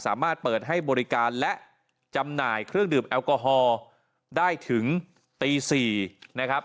สามารถเปิดให้บริการและจำหน่ายเครื่องดื่มแอลกอฮอล์ได้ถึงตี๔นะครับ